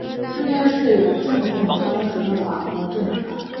此事也震动了当时的法国政坛。